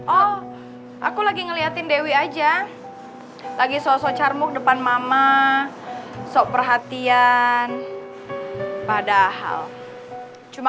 oh aku lagi ngeliatin dewi aja lagi sosok carmu depan mama sok perhatian padahal cuma